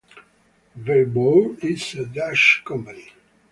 Veyboard is a Dutch company.